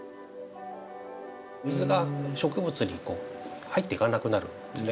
水が植物に入っていかなくなるんですね